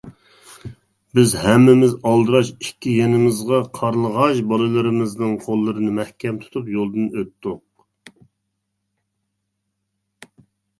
بىز ھەممىمىز ئالدىراش ئىككى يېنىمىزغا قارىغاچ بالىلىرىمىزنىڭ قوللىرىنى مەھكەم تۇتۇپ يولدىن ئۆتتۇق.